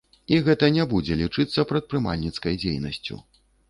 І гэта не будзе лічыцца прадпрымальніцкай дзейнасцю.